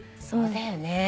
そうだよね。